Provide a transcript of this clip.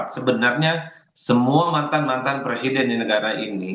sebenarnya semua mantan mantan presiden di negara ini